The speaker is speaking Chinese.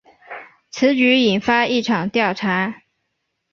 此举引发了一场调查。